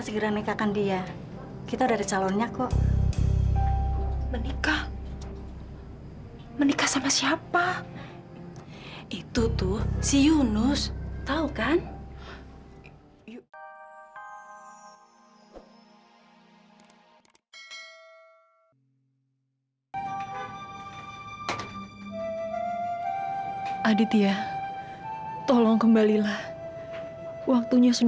sampai jumpa di video selanjutnya